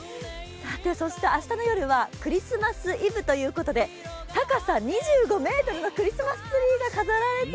明日の夜はクリスマスイブということで高さ２５ｍのクリスマスツリーが飾られています。